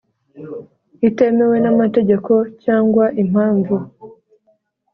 itemewe n amategeko cyangwa impamvu